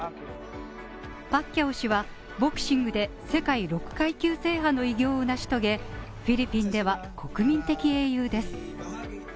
パッキャオ氏はボクシングで世界６階級制覇の偉業を成し遂げ、フィリピンでは国民的英雄です。